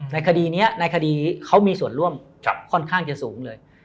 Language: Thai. ในคดีนี้ในคดีเขามีส่วนร่วมค่อนข้างจะสูงเลย